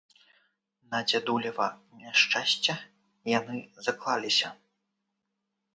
На дзядулева няшчасце, яны заклаліся.